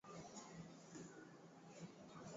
Meza ni muhimu kwenye nyumba